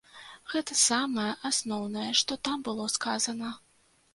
Гэта самае асноўнае, што там было сказана.